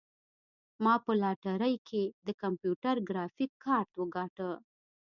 ما په لاټرۍ کې د کمپیوټر ګرافیک کارت وګاټه.